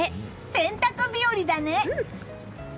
洗濯日和だね！